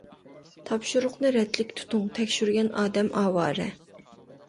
تاپشۇرۇقنى رەتلىك تۇتۇڭ، تەكشۈرگەن ئادەم ئاۋارە.